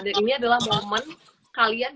dan ini adalah momen kalian